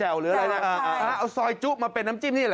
เอาซอยจุมาเป็นน้ำจิ้มนี่เหรอ